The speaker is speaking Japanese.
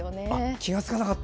気が付かなかった。